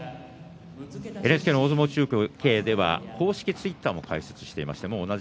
ＮＨＫ大相撲中継では公式ツイッターを開設しています。